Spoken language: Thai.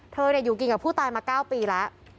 อยู่กินกับผู้ตายมา๙ปีแล้ว